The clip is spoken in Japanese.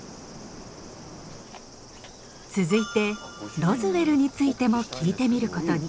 続いてロズウェルについても聞いてみることに。